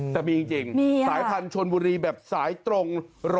แต่มีจริงสายพันธุชนบุรีแบบสายตรง๑๐